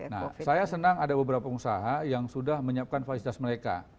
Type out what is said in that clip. nah saya senang ada beberapa pengusaha yang sudah menyiapkan fasilitas mereka